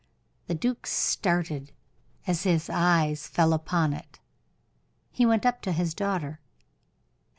The duke started as his eyes fell upon it. He went up to his daughter.